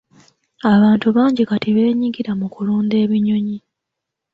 Abantu bangi kati beenyigira mu kulunda ebinyonyi.